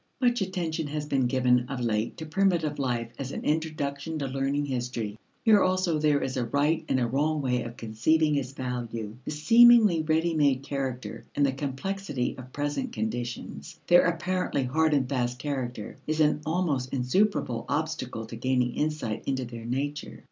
Much attention has been given of late to primitive life as an introduction to learning history. Here also there is a right and a wrong way of conceiving its value. The seemingly ready made character and the complexity of present conditions, their apparently hard and fast character, is an almost insuperable obstacle to gaining insight into their nature.